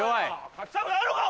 勝ちたくないのか？